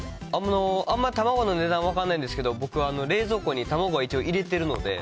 あんま卵の値段、分かんないんですけど、僕は冷蔵庫に卵は一応入れてるので。